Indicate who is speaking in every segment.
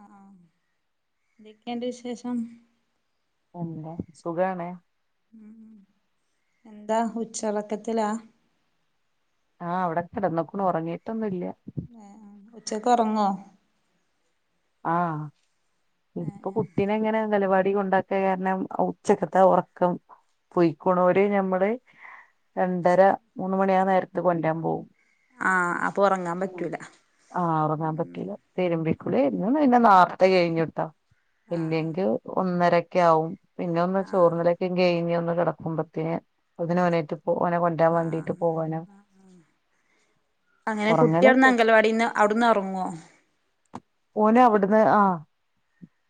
Speaker 1: ആഹ എന്തെക്കെയണ്ട് വിശേഷം
Speaker 2: എ സുഖണ്
Speaker 1: ഉ എന്താ ഉച്ചളക്കത്തിലാ
Speaker 2: ആഹ് അവിടെ കിടന്നക്കണ് ഉറങ്ങിയിട്ടൊന്നും ഇല്ല
Speaker 1: ആ ഉച്ചക്ക് ഉറങ്ങോ
Speaker 2: ആഹ് ഇപ്പൊ കുട്ടിനെ എങ്ങനാ അംഗൻവാടി കൊണ്ടാക്കിയ കാരണം ഉച്ചക്കത്തെ ഉറക്കം പോയിക്കാനൊരു ഞമ്മള് രണ്ടര മൂന്ന മണിയ നേരത്ത് കൊണ്ടുവരാൻ പോകും
Speaker 1: ആഹ് അപ്പൊ ഒറങ്ങാൻ പറ്റൂല
Speaker 2: ആഇറങ്ങാൻ പറ്റില്ലതിരുമ്പികുളി ആയിരിക്കും പിന്നെ നാർത്ത കഴിഞ്ഞുട്ടോ ഇല്ലെങ്കിൽ ഒന്നര ഒക്കെവും പിന്നെ ഒന്ന് ചോറുണലൊക്കെ കയിഞ്ഞ് കിടക്കുമ്പഴത്തേ അതിനേട്ട്
Speaker 1: ആ അങ്ങനെ കുട്ടിയടുന്ന്
Speaker 2: ഉറങ്ങലൊക്കെ
Speaker 1: അംഗൽവാടിന്ന് അവിടുന്ന് ഉറങ്ങുവോ
Speaker 2: ഓനെ അവിടുന്ന് ആ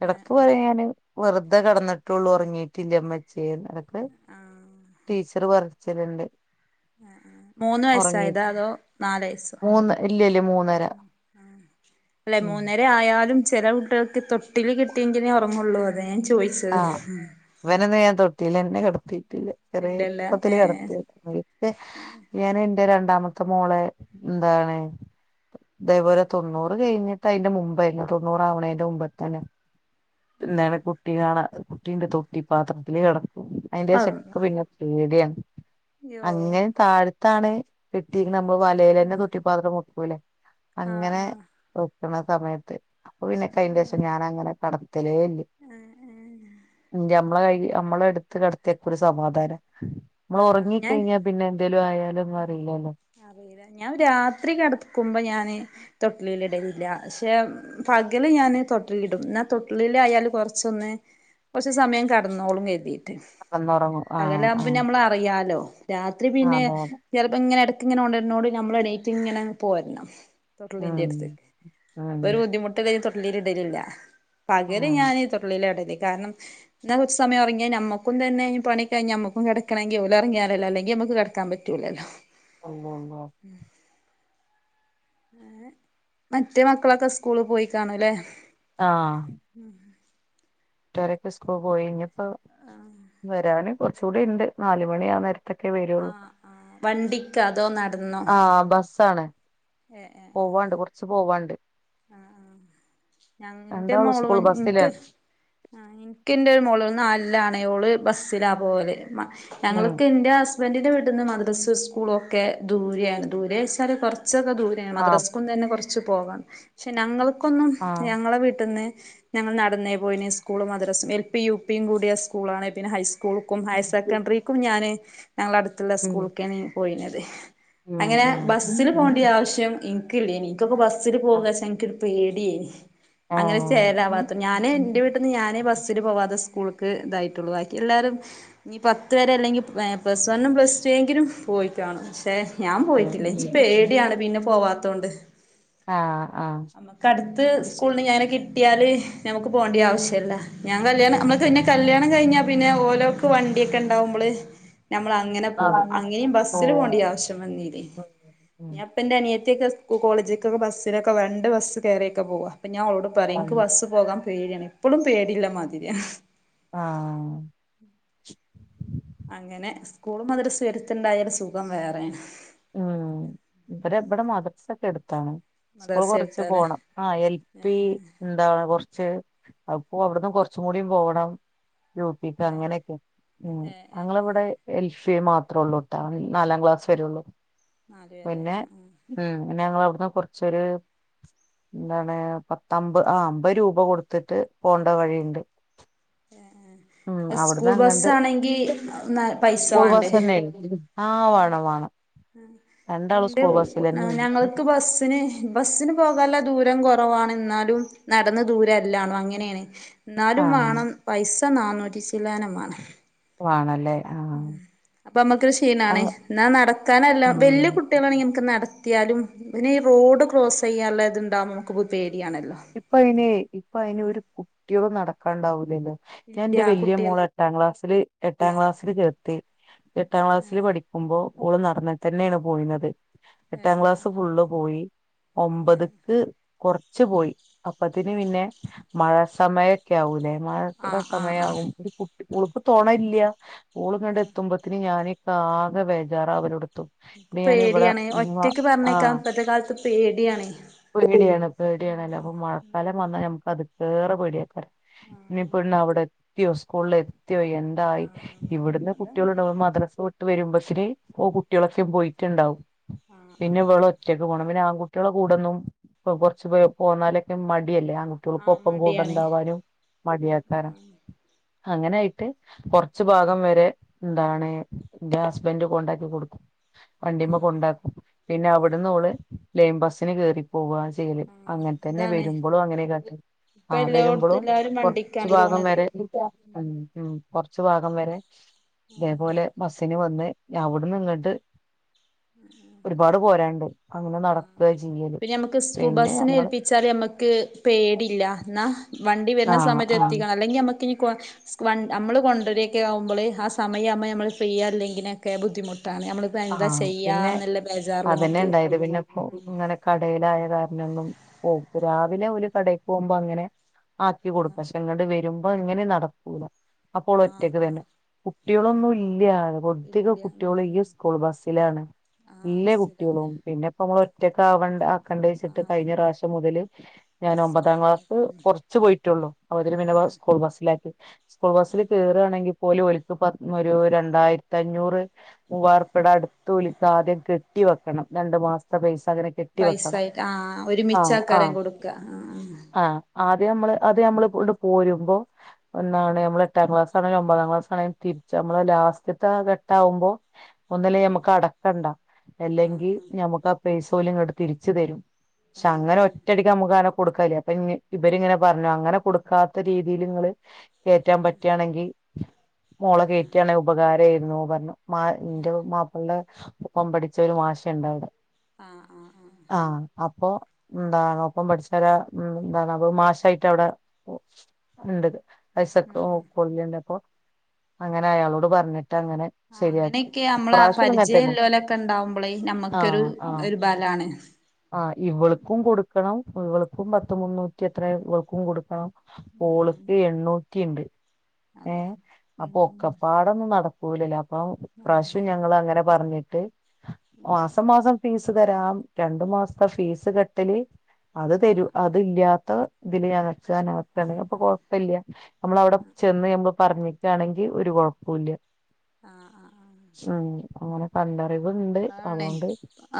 Speaker 2: ഇടക്ക് പറ ഞാന് വെറുതെ കിടന്നിട്ടുള്ളു ഉറങ്ങിയിട്ടില്ലമ്മ അമ്മ [unintelligible] ഇത് വർക്ക്‌ ചെയ്തിട്ടുണ്ട്
Speaker 1: ആ ആ മൂന്ന് വയസായതാ അതോ നാല് വയസോ
Speaker 2: മൂന്ന് ഇല്ലല്ല മൂന്നര
Speaker 1: മ്മ് ആ അല്ല
Speaker 2: ഉം
Speaker 1: മൂന്നരേ ആയ് ആയാലും ചെല കുട്ട്യൾക്ക് തൊട്ടില് കിടിയെങ്കിലെ ഒർങ്ങോള്ളു അതാ ഞാൻ ചോ
Speaker 2: ആ വനെന്നാ ഞാൻ തൊട്ടീലെന്നെ കെട ത്തീട്ടില്ല
Speaker 1: ഇല്ലല്ല
Speaker 2: ചെറ്പ്പത്തില്
Speaker 1: ഏഹ്
Speaker 2: കെടത്തിയാ [unintelligible] ന്റെ രണ്ടാമത്തെ മോളെ ന്താണ് ദെപോലെ തൊണ്ണൂറ് കഴിഞ്ഞിട്ട അയിൻ്റെ മുമ്പെനിയൊ തൊണ്ണൂറാവണേന്റെ മുമ്പതന്നെ [unintelligible] കുട്ടിണ്ട് തൊട്ടിപാത്രത്തില് കെട അയിൻ്റേഷം ഇക്ക്
Speaker 1: അള്ളാ
Speaker 2: പിന്നെ പേടിയാണ്
Speaker 1: യ്യോ
Speaker 2: അങ്ങനെ താഴെ ത്താണ് കെട്ടീ ങ്ങനാവുമ്പൊ വലേലെന്നെ തൊട്ടി പാത്രം മുട് പോവുലെ
Speaker 1: ആഹ്
Speaker 2: അങ്ങനെ
Speaker 1: ആഹ്
Speaker 2: ഒ ക്കുന്ന സമയത്ത് അപ്പം പിന്നെ ക്ക് അയിൻ്റേഷം ഞാനങ്ങനെ കടത് തലേ ല്ല ൻ്റെ അമ്മളെ കയ് അമ്മളെട്ത്ത് കട്ത്തിയാ ഇക്കൊരു സമാദാന
Speaker 1: ആ ഞൻ
Speaker 2: എന്തേലും ആയാലൊന്നും
Speaker 1: മ്മ്
Speaker 2: അറിയില്ലല്ലോ
Speaker 1: അറീല ഞാൻ രാത്രി കെടക്കുമ്പോ ഞാന് തൊട്ടിലീല് ഇടല് ല്ല ല്ല പക്ഷെ പകല് ഞാന് തൊട്ടിലീടും ന്നാ തൊട്ടിലീലായാല് കൊറച്ചൊന്ന് കൊർച്ച് സമയം കടന്നോളും കര്തി
Speaker 2: കടന്നൊറങ്ങും ആ അ
Speaker 1: അപ്പം ഞമ്മളറിയാലോ രാത്രി പിന്നെ
Speaker 2: അതെ അതെ
Speaker 1: ചെലപ്പം ഇങ്ങനെട് ക്ക്ങ്ങനെ ഒണര്ണോണ്ട് നമ്മളെണീറ്റ്ങ്ങനെ പോര്ണം
Speaker 2: ഉം
Speaker 1: തൊട്ട്ലിന്റെട്ത്ത്
Speaker 2: ഉം
Speaker 1: അപ്പൊരു ബുദ്ധിമുട്ട് കഴിഞ്ഞ് തൊട് തൊട്ളീല് ഇടലില്ല പകല്
Speaker 2: ഉം
Speaker 1: ഞാന് തൊട്ട്ലീലാടല് കാരണം ന്നാ കൊർച്ച് സമയം ഒർങ്ങിയാ നമ്മക്കും തന്നെ ഞ് പണി കഴിഞ്ഞാ ഞമ്മക് കെടക്കണെങ്കി ഓലൊർങ്ങിയാലല്ലെ അല്ലെങ്കി അമ്മക്ക് കട്ക്കാൻ പറ്റൂ ലല്ലോ
Speaker 2: [unintelligible]
Speaker 1: മറ്റേ മക്കളൊക്കെ സ്കൂള് പോയി കാണും ല്ലേ
Speaker 2: ആ ടെരക്ടസ്കോപ് വഴി ഞ്ഞും പ്പ വരാന് കൊറച്ചൂടി ഇണ്ട് നാല് മണിയാന്നേരം
Speaker 1: ആ ആ വണ്ടിക്ക അതോ നടന്നോ?
Speaker 2: ആഹ് ബസ്സാണ് പോവാണ്ട് കൊറച്ച് പോവാണ്ട്.
Speaker 1: ആ ആ ഞ ന്റെ
Speaker 2: രണ്ടാളും
Speaker 1: മോള്
Speaker 2: സ്കൂൾ
Speaker 1: ന്ക്ക്
Speaker 2: ബസ്സിലാണ്
Speaker 1: ആ ന്ക്ക് എന്റെ ഒരു മോള് നാ ലാണേ ഓള് ബസ്സിലാ പോവല്.
Speaker 2: ഉം
Speaker 1: ഞങ്ങളൊക്കെ ന്റെ ഹസ്ബന്റിന്റെ വി ട്ട്ന്ന് മദ്രസ് സ്കൂളൊക്കെ ദൂരെയാണ് ദൂരെച്ചാല് കൊറ ച്ചൊക്കെ ദൂരെയാ
Speaker 2: ആഹ്
Speaker 1: മദ്രസ്കൂൾ തന്നെ കൊറ ച്ചു പോവാൻ ക്ഷേ ഞങ്ങള് ക്കൊന്നും
Speaker 2: ആഹ്
Speaker 1: ഞങ്ങളെ വീട്ട്ന്ന് ഞങ്ങൾ നടന്നേ പോയിണി സ്കൂളും മദ്രസും എൽ പി യു പിയും കൂടിയ സ്കൂളാണ് പിന്നെ ഹൈസ് സ്കൂൾക്കും ഹയർ സെക്കഡറിക്കും ഞാന് ഞങ്ങളടുത്തുള്ള
Speaker 2: ഉം
Speaker 1: സ്കൂളിക്കാണ് പോയിനത്.
Speaker 2: ഉം
Speaker 1: അങ്ങനെ
Speaker 2: ഉം
Speaker 1: ബസ്സില് പോവിണ്ട്യ ആവശ്യം ഇ ക്കില്ലേനി നിക്കൊക്കെ ബസ് സില് പോകേച് ഒരു പേടിയേ
Speaker 2: ആ
Speaker 1: അങ്ങനെ
Speaker 2: ഉം,
Speaker 1: ചേലാവാത്ത ഞാന്
Speaker 2: ഉം.
Speaker 1: ന്റെ വീട്ടിന്ന് ഞാനേ ബസ്സിനു പോവാതെ സ് കൂൾക്ക് ഇതായിട്ടുള്ളൂ ബാക്കി എല്ലാരും ഈ പത്ത് വരെ അല്ലെങ്കി പ്ലസ് വണ്ണും പ്ലസ് റ്റൂ എങ്കിലും പോയിക്കാണും. തെ ഞാൻ പോയിട്ടില്ല നിച്ച് പേടിയാണ് പിന്നെ പോവാ ത്തോണ്ട്.
Speaker 2: ആഹ്
Speaker 1: അന്നൊക്കടുത്ത് സ്കൂളിന് ഞാനൊക്കെ കിട്ടിയാല് ഞമുക്ക് പോവിണ്ട്യ ആവശ്യല്ലാ. ഞാ
Speaker 2: ആ
Speaker 1: കല്യാണം നമ്മുക്ക്ന്നെ കല്യാണം കഴിഞ്ഞാ പിന്നെ ഓലോക്ക് വണ്ടിയൊക്കെ ഉണ്ടാവുമ്പള് ഞമ്മള് അങ്ങനെ പോകും, അങ്ങനെയും
Speaker 2: ഓ
Speaker 1: ബസ്സില് പോവിണ്ട്യ ആവശ്യം വന്നീതേ
Speaker 2: ഉം, ഉം.
Speaker 1: ഞാ ഇപ്പന്റെ അനിയ റ്റിക്കസ് കു കോളേജിക്കൊക്കെ ബസ്സില് ഇപ്പൊ രണ്ട് ബസ്സ് കയറിയൊക്കെ പോവാ. അപ്പ ഞാൻ ഓളോട് പറയും നിക്ക് ബസ് പോകാം. പേടിയാണ് ഇപ്പഴും പേടിയില്ല മാതിരിയാ.
Speaker 2: ആഹ്
Speaker 1: കൂളുന്നതൊരു സ്വരത്തിണ്ടായാല് സുഖം വേറെയാണ്.
Speaker 2: ഉം ഇവരെ എവിടെ മദർസൊക്കെ അടുത്താണ് സ്കൂൾ
Speaker 1: മദ്രസ
Speaker 2: കൊറച്ച്
Speaker 1: എടുത്താല്
Speaker 2: പോണം ആ എൽ പി എന്താണ് കൊറച്ച് അപ്പൊ അവിടുന്ന് കൊറച്ചുംകൂടിയും പോണം യു. പി ക്ക് അങ്ങനെയൊക്കെ ഉം ഞങ്ങളിവിടെ എൽ പി മാത്രേള്ളൂട്ട നാലാം ക്ലാസ് വരെ ഉള്ളൂ.
Speaker 1: നാല് വരെ
Speaker 2: പിന്നെ
Speaker 1: ആ
Speaker 2: ഉം പിന്നെ ഞങ്ങള ആ കൊറച്ചൊരു എന്താണ് പത്തമ്പത് ആ അമ്പത് രൂപ കൊടുത്തിട്ട് പോണ്ട വഴിയുണ്ട് ഉം അവിടുന്ന്
Speaker 1: സ്കൂൾ
Speaker 2: അങ്ങണ്ട്
Speaker 1: ബസ്സാണെങ്കി പൈസ
Speaker 2: സ്കൂൾ ബസ്
Speaker 1: വേണ്ടേ
Speaker 2: തന്നെ ആ വേണം വേണം രണ്ടാളും
Speaker 1: ന്റെ
Speaker 2: സ്കൂൾ ബസ്സിലന്നെ
Speaker 1: ഞങ്ങൾക്ക് ബസിന് ബസിന് പോകാലോ ദൂര ദൂരം കുറവാണ് എന്നാലും നടന്ന ദൂരം അല്ലണോ അങ്ങനെയാണ്
Speaker 2: ആ
Speaker 1: എന്നാലും വേണം പൈസ നാനൂറ്റി ചിൽ‌വാനമാണ്
Speaker 2: വാണല്ലേ
Speaker 1: അപ്പൊ നമ്മുക്കൊരു ക്ഷീണമാണ് എന്നാ നടക്കാനെല്ലാം
Speaker 2: ഉം
Speaker 1: വലിയ കുട്ടികളാണെങ്കിൽ നമുക്ക് നട ത്തിയാലും പിന്നെ റോഡ് ക്രോസ്സ് ചെയ്യാനുള്ള ഇത്തുണ്ടാവുമ്പോ നമുക്കൊരു പേടി
Speaker 2: ഇപ്പ അയിനെ ഇപ്പ അയിനൊരു കു കുട്ടികളും നടക്കാണ്ടാവില്ലല്ലോ ഞാൻ എന്റെ
Speaker 1: ഇല്ല
Speaker 2: വലിയ മോള്
Speaker 1: കുട്ടികളില്ല
Speaker 2: എട്ടാം ക്ലാസ്സില് എട്ടാം ക്ലാസ്സില് ചേർത്തി എട്ടാം ക്ലാസ്സിൽ പഠിക്കുമ്പോ ഓള് നടന്ന തന്നെയാണ് പോയിരുന്നത് എട്ടാം ക്ലാസ് ഫുള്ള് പോയി. ഒമ്പത്ക്ക് കുറച്ച് പോയി അപ്പത്തിന്ന് പിന്നെ മഴ സമയൊക്കെ ആവൂല്ലേ മഴയ്ക്കുള്ള
Speaker 1: ആഹ് ആഹ് ആഹ്
Speaker 2: സമയാവും ഒരു കു ഓളുക്ക് തോണ ഇല്ല്യ ഓള് ഇങ്കട് എത്തുമ്പോത്തിന് ഞാൻ ആകെ ബേജാറ അവരോട്
Speaker 1: എനിക്ക് പേടിയാണ് ഒറ്റക്ക്
Speaker 2: ആഹ്
Speaker 1: പറഞ്ഞേക്കാം ഇപ്പത്തെ കാലത്ത് പേടിയാണ്
Speaker 2: പേടിയാണ് പേടിയണല്ലോ അപ്പൊ മഴക്കാലം വന്നാ നമ്മൾക്കു അത് ഏറെ പേടിയായിരിക്കും ഇനി പെണ്ണ അവിടെ [inaudible] എത്തിയോ സ്കൂളിലേ [inaudible] യൊഎന്തായി
Speaker 1: ആഹ്
Speaker 2: ഇവിടുന്ന് കുട്ടികള ഡോ
Speaker 1: അതങ്ങനെയാണ്
Speaker 2: മദ്രസ [inaudible] വരും ബസിന് ഓ കുട്ടികളൊക്കെ പോയിട്ട്ണ്ടാവും
Speaker 1: ആഹ്
Speaker 2: പിന്നെ
Speaker 1: ആഹ് ആഹ്
Speaker 2: ഇവലൊറ്റക്ക് പോണം പിന്നെ ആ കു [inaudible] കുട്ടികളെകൂടന്നും ഇപ്പൊ കുറച്ച പോ പോന്നാലൊക്കെ മടി [inaudible] [inaudible] ല്ലേ ആണ് കുട്ടികൾക്ക്
Speaker 1: ആഹ്
Speaker 2: ഒപ്പം കൂടേ
Speaker 1: മടിയാണ്
Speaker 2: ഉണ്ടാകാനും മടിയായിരിക്കും അങ്ങനൊയിട്ട് കൊറച്ചു ഭാഗം വരെ എന്താണ് എന്റെ ഹസ്ബൻഡ് കൊണ്ടാക്കി കൊടുക്കും
Speaker 1: ആഹ്
Speaker 2: വണ്ടിമ്മെകൊണ്ടാക്കും. പിന്നെ അവിടുന്ന്ഓള് ലൈൻ ബ [inaudible] സിന് കയറി [inaudible] പോവ ചെയ്യല്
Speaker 1: ആഹ്
Speaker 2: അങ്ങനെ തന്നെ
Speaker 1: ഇതാണ്
Speaker 2: വരുമ്പോഴും അങ്ങനെക്കാട്ടുക
Speaker 1: ഇപ്പ
Speaker 2: ആഹ്
Speaker 1: എല്ലോടത്തും
Speaker 2: വരുമ്പോഴും
Speaker 1: എല്ലാരും
Speaker 2: കുറച്ചു
Speaker 1: വണ്ടിക്കാണ്
Speaker 2: ഭാഗം
Speaker 1: പോണത്
Speaker 2: വരെ [inaudible] കുറച്ചു ഭാഗം വരെ അതേപോലെ ബസ്സിന് വ [inaudible] ന്ന അവിടന്ന് ഇങ്ങോട്ട് ഒരുപാട് പോരാണ്ട് അങ്ങനെ നടത്ത ചെയ്യല് പിന്നെ
Speaker 1: സ്കൂൾബസിനെ
Speaker 2: ഞങ്ങള്
Speaker 1: ഏൽപ്പിച്ചാല് നമ്മക്ക് പേടില്ല എന്നാ വണ്ടി വരുന്ന
Speaker 2: ആഹ്
Speaker 1: സമയത്ത്
Speaker 2: ആഹ്
Speaker 1: എത്തിക്കണം അല്ലെങ്കിൽ നമുക്ക്നി [inaudible] നമ്മൾ കൊണ്ടുവരുകയൊക്കെ ആകുമ്പോൾ ആ സമയംകുമ്പൾ നമ്മൾ ഫ്രീ അല്ലെങ്കിനുമൊക്കെ ബുദ്ധിമുട്ട് [unintelligible] ട്ടാണ് നമ്മളിപ്പോ എന്താ
Speaker 2: ആഹ് പിന്നെ
Speaker 1: ചെയ്യാന്നുല്ല ബേജാറില്
Speaker 2: അതന്നെ
Speaker 1: നിക്കും
Speaker 2: [inaudible] ഇങ്ങനെ കടേലായതാ രണം [inaudible] പിും പോ ഇ രാവിലെ ഒരു കടക്ക് പോകുമ്പോ അങ്ങനെ ആക്കി കൊടുക്കശങ്ങട് വരും [inaudible] അപ്പൊ ഇങ്ങനെ നടക്കൂല അപ്പോൾ
Speaker 1: ആഹ്
Speaker 2: ഒറ്റക്ക്
Speaker 1: ആഹ്
Speaker 2: വരണം കുട്ടികളൊന്നും
Speaker 1: ആഹ്
Speaker 2: ഇല്ലാ അധികം
Speaker 1: ഇല്ല
Speaker 2: കുട്ടികൾ ഈ.
Speaker 1: ഉം
Speaker 2: [inaudible] സ്കൂൾ ബസ്സിലാണ്
Speaker 1: ആഹ്
Speaker 2: എല്ലാ
Speaker 1: ബസ്സിലാണ്
Speaker 2: കുട്ടികളും പിന്നെ ഇപ്പോ നമ്മള് ഒറ്റക്ക് ആവണ്ട നിക്കണട വിചാരിച്
Speaker 1: ആഹ്
Speaker 2: കഴിഞ്ഞ പ്രാവശ്യം മുതൽ ഞാൻ
Speaker 1: ബസ്സിന്
Speaker 2: ഒമ്പതാം ക്ലാസ്
Speaker 1: പറഞ്ഞയക്കും ഉം
Speaker 2: കുറച്ച് പോയിട്ടൊള്ളൂ അപ്പോതിന് പിന്നെ
Speaker 1: ആഹ്
Speaker 2: സ്കൂൾ ബസ്സിലാക്കി സ്കൂൾ ബസ്സില് കേറാണെങ്കിൽ ഓല് ഓൽക്ക്‌ പത് ഒരു രണ്ടായിരത്തി അഞ്ഞൂറ് മുവായിര [inaudible] ഇവിടെ അടുത്ത് ഓൽക്കാദ്യം കെട്ടി വെക്കണം രണ്ടു മാസത്തെ പൈസ അങ്ങനെ കെട്ടി വെക്കണം
Speaker 1: പൈസായിറ്റ് ആഹ് ആഹ് ഒരുമിച്ചാക്കാരം കൊടുക്ക ആ ആ
Speaker 2: ആഹ് ആദ്യം നമ്മള് ആദ്യ നമ്മള്ണ്ട് പോരുമ്പോ എന്താണ് നമ്മൾ എട്ടാം ക്ലാസ് ആണെങ്കിലും ഒമ്പതാം ക്ലാസ് ആണെങ്കിലും തിരിച്ച് നമ്മള് ലാസ്റ്റ്ത്തെ ഘട്ടാകുമ്പോ ഒന്നില്ലങ്കിൽ അടക്കണ്ട
Speaker 1: ആഹ്
Speaker 2: അല്ലെങ്കിൽ ഞമുക്കാ പൈസ ഓല്ങ്ങട്ട് തിരിച്ചു തരും ക്ഷെ അങ്ങനെ ഒറ്റടിക്ക് നമുക്കങ്ങനെ കൊടുക്കാനില്ല അപ്പൊ ഇഞ്ഞ് ഇവരിങ്ങനെ പറഞ്ഞു അങ്ങനെ കൊടുക്കാത്ത രീതിയിൽ ഇങ്ങള് കേറ്റാൻ പറ്റാണെങ്കിൽ മോളെ
Speaker 1: ആഹ്
Speaker 2: കേറ്റാണെ ഉപകാരേയിരുന്നു പറഞ്ഞു മ ൻ്റോം നല്ല കൊംമ്പടിച്ച ഒരു മാശുണ്ട് അവിടെ
Speaker 1: ആഹ് ആഹ് ആഹ് ആഹ്
Speaker 2: ആഹ് അപ്പൊ എന്താണ് ഒപ്പം പഠിച്ചാല ഉം എന്താണ് അപ്പൊ മാശായിട്ട് അവിടെ ഇണ്ട് പൈസക്കോ
Speaker 1: ആഹ് ആഹ്
Speaker 2: [unintelligible] അങ്ങനെ അയാളോട് പറഞ്ഞിട് ട്ട് അങ്ങനെ
Speaker 1: ആ
Speaker 2: ശരിയാക്കി
Speaker 1: അങ്ങനെയൊക്കെ നമ്മളെ
Speaker 2: ഇപ്രാവശ്യം ഇങ്ങനെ തന്നെ
Speaker 1: പരിചയല്ലോലൊക്കെ ഇണ്ടാവുമ്പോളേ നമുക്കൊരു ഒരു ബലാണ് ഹ്
Speaker 2: ആ ഇവൾക്കും കൊടുക്കണം ഇവളുക്കും പത്ത് മുന്നൂറ്റി എത്രയോ ഇവളുക്കും കൊടുക്കണം
Speaker 1: ഉം ഉം
Speaker 2: ഓൾക്ക് എണ്ണൂ ക്കിയ്ണ്ട് ഏ
Speaker 1: അതാ ഉം
Speaker 2: അപ്പൊ
Speaker 1: ഉം
Speaker 2: ഒക്കപ്പാടൊന്നും നടക്കു [unintelligible] [unintelligible] ഇപ്രാശം ഞങ്ങള് അങ്ങനെ പറഞ്ഞിട്ട് മാസം മാസം ഫീസ് തരാം രണ്ടു മാസത്തെ ഫീസ് കെട്ടല് അത്
Speaker 1: ആ
Speaker 2: തരും അത് ല്ലാത്ത ഇതിലെയാന്ന് ഇതാണ
Speaker 1: ആ
Speaker 2: അവസ്ഥാണ് അപ്പൊ
Speaker 1: ആ
Speaker 2: കൊഴപ്പില്ല നമ്മളവിടെ ചെന്ന്കയ്യുമ്പം പറഞ്ഞിറ്റാണെങ്കിൽ ഒരു കുഴപ്പൂല്ല
Speaker 1: ആ
Speaker 2: ഉം അങ്ങനെ ആണ് ല്ലേ
Speaker 1: ആണ്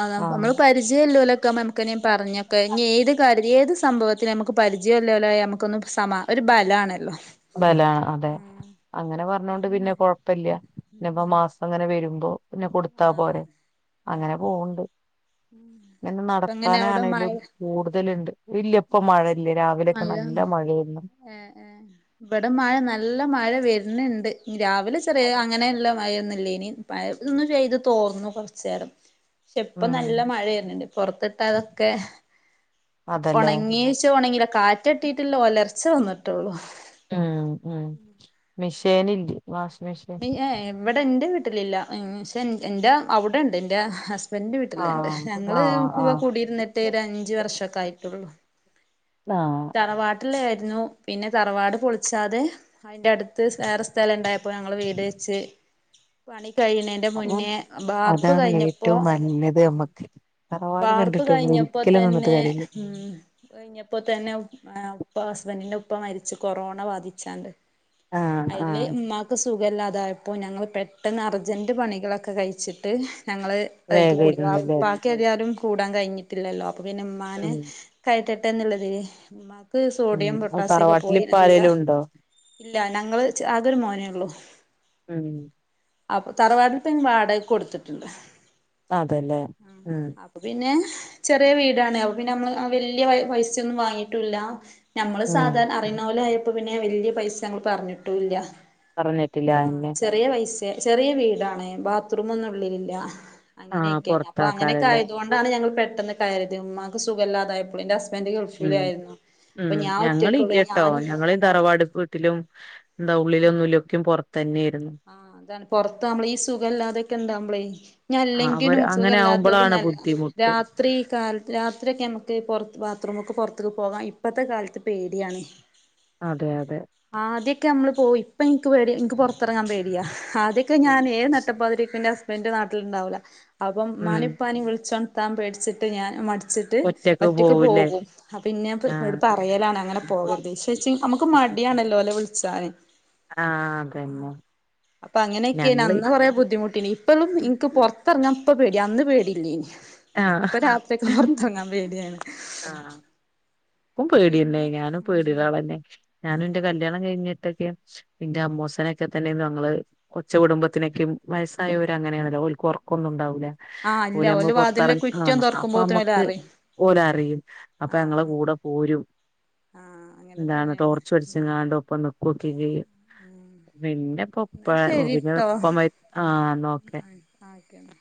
Speaker 1: അത
Speaker 2: ആഹ്
Speaker 1: നമ്മള് പരിച ജ്ജ് ല്ലേലൂഅക്ക നമുക്കെനി പറഞ്ഞക്ക ഇഞെത് കാര്യ ഏത് സംഭവത്തിന് നമുക്ക് പരിചയല്ലപോലായ നമുക്കൊന്ന് സമാ ഒരു ബലാണല്ലോ
Speaker 2: ബല അതെ
Speaker 1: ഉം
Speaker 2: അങ്ങനെ പറഞ്ഞോണ്ട് പിന്നെ
Speaker 1: അതന്നെ
Speaker 2: കൊഴപ്പില്ല പിന്നപ്പ മാസങ്ങനെ വരും പ്പോ പിന്നെ കൊടുത്താ
Speaker 1: ആ
Speaker 2: പോരെ
Speaker 1: ഉം
Speaker 2: അങ്ങനെ
Speaker 1: ഉം
Speaker 2: പോണ്ട് ഇങ്ങനെ
Speaker 1: ഇപ്പ എങ്ങനെ അവിടെ
Speaker 2: നടക്കാനാണേലും
Speaker 1: മഴ
Speaker 2: കൂടുതല്ണ്ട് ഇല്ല ഇപ്പൊ മഴയില്ല രാവിലെക്കെ നല്ല മഴേരുന്നു
Speaker 1: ഏ ഏ ഇവിടെ മഴ നല്ല മഴ വര്ണ്ണ്ട് രാവിലെ ചെറിയ അങ്ങനെയല്ല മഴൊ ന്നില്ലെനു [unintelligible] പെയ്ത് തോർന്നു കൊർച്ചേരം ക്ഷെ ഇപ്പം
Speaker 2: ഉം
Speaker 1: നല്ല മഴ വെര്ണ് ണ്ട് പൊറത്തിട്ടതൊക്കെ
Speaker 2: അതല്ലേ
Speaker 1: ഒണങ്ങിച്ച ഒണങ്ങില്ല കാറ്റട്ടിട്ടുള്ള ഒലർച്ച വന്നിട്ടുള്ളൂ
Speaker 2: ആ ആ മിഷേനില്ലേ
Speaker 1: ഏയ് എ ഇവിടെ ഇന്റെ വീട്ട് ട്ടിലില്ല മിഷൻ ഇൻ്റെ അവിടെ ണ്ട് ഇൻ്റെ ഹസ്സ്ബൻ്റി ഹസ്ബൻറ് വീട്ടില്ണ്ട്
Speaker 2: ആഹ്
Speaker 1: ഞങ്ങള്
Speaker 2: ആഹ്
Speaker 1: കു
Speaker 2: ആഹ്
Speaker 1: കുടിയിരുന്നിട്ട് ഒരു അഞ്ച് വർഷോക്കേ ആയിട്ടുള്ളൂ
Speaker 2: ആ
Speaker 1: ട്ടിലായിരുന്നു പിന്നെ തറവാട് പൊളിച്ചാതെ അതിന്റെ അടുത്ത് വേറെ സ്ഥലുണ്ടായപ്പോ ഞങ്ങള് വീട് വെച്ച് പണിക്ക്
Speaker 2: അപ്പൊ അതാണ്
Speaker 1: കഴിഞ്ഞപ്പോ
Speaker 2: ഏറ്റവും നല്ലത് നമ്മക്ക് തറവാട്
Speaker 1: വാർപ്പ്
Speaker 2: കണ്ടിട്ട്
Speaker 1: കഴിഞ്ഞപ്പോ
Speaker 2: ഒരിക്കലും നിന്നിട്ട്
Speaker 1: തന്നെ
Speaker 2: കാര്യമില്ല
Speaker 1: ഉം ഇപ്പോതന്നേ ആ ഇപ്പൊ ഹസ്സ്ബൻ്റിന്റെ ഉപ്പ മരിച്ചു കൊറോണ ബാധിച്ചാണ്ട്
Speaker 2: ആ ആ
Speaker 1: ഖല്ലാതായപ്പോൾ ഞങ്ങൾ പെട്ടെന്ന് അർജൻ്റ് പണികളൊക്കെ കഴിച്ചിട്ട് ഞങ്ങള് അയ്ക്ക്
Speaker 2: വേഗം
Speaker 1: കൂടി
Speaker 2: ഇരുന്നല്ലേ
Speaker 1: [unintelligible] കൂടാൻ കഴിട്ടില്ലല്ലോ പിന്നെ ഇമ്മാന്
Speaker 2: ഉം
Speaker 1: കയ ട്ടെന്ന് ള്ളതില് ഉമ്മാ
Speaker 2: ഉമ് അ തറവാട്ടിലിപ്പോ ആരേലും ഉണ്ടോ
Speaker 1: ഇല്ല ഞങ്ങള് ച് ആകെ ഒരു മോനേ ഉള്ളൂ
Speaker 2: ഉം
Speaker 1: അപ്പൊ തറവാടിപ്പം വാടകക്ക് കൊടുത്തിട്ടുണ്ട്
Speaker 2: അതെല്ലേ ഉം
Speaker 1: അപ്പൊ പിന്നെ ചെറിയ വീടാണ് പിന്നെ നമ്മള് വലിയ പൈസയൊന്നും വാങ്ങിട്ടൂല്ല ഞമ്മള്
Speaker 2: ഉം
Speaker 1: സാധാരണ അറിയുന്ന പോലെയപ്പോ പിന്നെ വലിയ പൈസ ഞങ്ങൾ പറഞ്ഞിട്ടൂല്ല
Speaker 2: പറഞ്ഞിട്ടിലാ ളിനെ
Speaker 1: ചെറിയ വീടാണ് ബാത്റൂം ഒന്നും ഉള്ളിലില്ല
Speaker 2: ആഹ്
Speaker 1: അങ്ങനെയൊക്കെയ അപ്പൊ അങ്ങനെ
Speaker 2: പൊറത്താക്കാരല്ലേ
Speaker 1: ആയതുകൊണ്ടാണ് ഞങ്ങൾ പെട്ട് പിന്നെ [unintelligible] ഉമ്മാക് സുഖമല്ലാതായപ്പോളന്റെ ഹസ്
Speaker 2: ഉം ഉം ഞങ്ങള്
Speaker 1: ഒറ്റക്കുള്ളൂ
Speaker 2: ഇല്ലട്ടോ
Speaker 1: ഞാനും
Speaker 2: ഞങ്ങളീ തറവാട് വീട്ടിലും എന്ത ഉള്ളിലൊന്നുവില്ല ഓകേം പോ
Speaker 1: ആഹ് അതാണ് പുറത്താമ്ബ്ലെ ഈ സുഖ ഇല്ലതെക്കെ ഇണ്ടാവുമ്ബ്ലെ ഞ്ഞ
Speaker 2: ആഹ്
Speaker 1: അല്ലെങ്കിലും
Speaker 2: അവര് അങ്ങനെ
Speaker 1: സുഖല്ലാത്തത്
Speaker 2: ആവുമ്പളാണ്
Speaker 1: തന്നല്ല
Speaker 2: ബുദ്ധിമുട്ട്
Speaker 1: രാത്രിഈ കാലത്ത് രാത്രിയൊക്കെ നമുക്ക് പുറത്ത് ബാത്റൂമ് ഒക്കെ പുറത് ത്ത് പോകാൻ ഇപ്പഴത്തെ കാലത്ത് പേടിയാണ്
Speaker 2: അതെ അതെ
Speaker 1: ക്ക് നമ്മള് പോയി ഇപ്പ എനിക്ക് പേടിയാ നിക്ക് പുറ ത്തിറങ്ങാൻ പേടിയ ആദ്യഒക്കെ
Speaker 2: ഉം
Speaker 1: ഞാൻ ഏത് നട്ടപ്പാതിരക്കും എന്റെ ഹസ് ബാൻഡ് നാട്ടില് ഉണ്ടാവില്ല അപ്പം
Speaker 2: ഉം
Speaker 1: മാനിപ്പാനി വിളിച്ചോണ് താമ് പേടിച്ചിട്ട് ഞാൻ മടിച് വിച്ചിട്ട് ഒറ്റക്ക് പോകും പിന്നെ ഇട്
Speaker 2: ആഹ്
Speaker 1: പറയലാണ് അങ്ങനെ പോകരുതെന്ന് [unintelligible] നമ്മുക്ക് മടിയാണല്ലോ വിളിച്ചാന്
Speaker 2: ആഹ് അതന്നെ
Speaker 1: അപ്പൊ അങ്ങനെയൊക്കെയാന്
Speaker 2: ഞങ്ങള്
Speaker 1: അന്ന് കുറയെ ബുദ്ധിമുട്ടിന് ഇപ്പോളും എനിക്ക് പുറത്തിറങ്ങാന് ഇപ്പ പേടി അന്ന് പേടിയില്ലേനി
Speaker 2: ആഹ്
Speaker 1: ഇപ്പൊ രാത്രിയൊക്കെ പുറത്തങ്ങാൻ പേടിയാണ്
Speaker 2: ഇപ്പം പേടില്ല
Speaker 1: പിന്നെ
Speaker 2: ഞാനും
Speaker 1: ഉം
Speaker 2: പേടിടാളന്നെ ഞാനും എന്റെ കല്യാണം കഴിഞ്ഞ് ക്ക പിന്റെ അമ്മോസിനൊക്കെ തന്നെ നങ്ങള് ഒച്ച കൂടുബത്തിനേക്കും വയസ്സായവരങ്ങനെയാണല്ലോ ഓര്ക്ക് ഉറക്കൊന്നും ഉണ്ടാവില്ല
Speaker 1: ആഹ്
Speaker 2: ഓല്
Speaker 1: ഇല്ല
Speaker 2: നമ്മ
Speaker 1: വാതിലിന്റെ
Speaker 2: പുത്തിറങ്ങ കാണ
Speaker 1: കുറ്റിയൊന്ന്
Speaker 2: അപ്പൊ
Speaker 1: തുറക്കുമ്പോത്തിന് ഓല്
Speaker 2: നമ്മക്ക്
Speaker 1: അറിയും
Speaker 2: ഓലെ അറിയും അപ്പൊ ഞങ്ങളെ
Speaker 1: ആഹ്
Speaker 2: കൂടെ പോരും
Speaker 1: ആഹ് അങ്ങനെ
Speaker 2: എന്താണ്
Speaker 1: തന്നെയാണ്
Speaker 2: ടോർച്ച്
Speaker 1: ഉം
Speaker 2: പടിച്ചങ്ങാണ്ട് ഒപ്പം നി കുറ്റിച്ചേയ് പിന്നെ ഉപുപ്പ
Speaker 1: എന്നാ
Speaker 2: പിന്നെ
Speaker 1: ശരിട്ടോ
Speaker 2: ഉപ്പ മരി ആഹ് എന്നാ ഒക്കെ
Speaker 1: ആഹ് ഓക്കെന്നാ